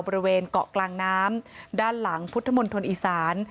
บริเวณเกาะกลางน้ำด้านหลังพุทธมณฑลอีสาน